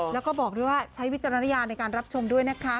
แล้วก็บอกด้วยว่าใช้วิจารณญาณในการรับชมด้วยนะคะ